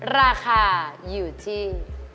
ราคาอยู่ที่